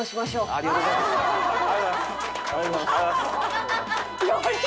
ありがとうございます。